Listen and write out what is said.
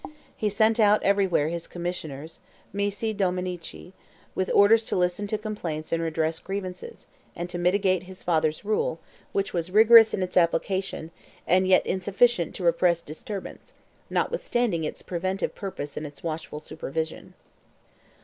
He sent out everywhere his commissioners (missi dominici) with orders to listen to complaints and redress grievances, and to mitigate his father's rule, which was rigorous in its application, and yet insufficient to repress disturbance, notwithstanding its preventive purpose and its watchful supervision.